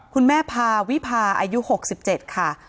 คุณแม่พาวิพาอายุหกสิบเจ็ดค่ะ